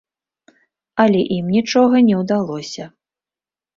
Але ім нічога не ўдалося.